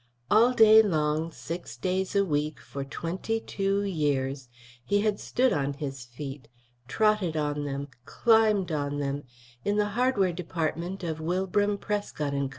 All day long, six days a week for twenty two years, he had stood on his feet, trotted on them, climbed on them, in the hardware department of Wilbram, Prescot & Co.